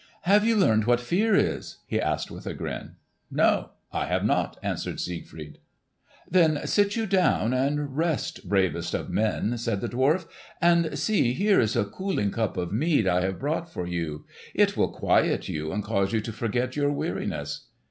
"Have you learned what fear is?" he asked with a grin. "No, I have not," answered Siegfried. "Then sit you down and rest, bravest of men!" said the dwarf. "And see, here is a cooling cup of mead I have brought for you. It will quiet you and cause you to forget your weariness."